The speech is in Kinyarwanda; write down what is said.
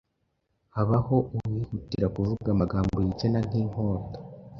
Habaho uwihutira kuvuga amagambo yicana nk’inkota,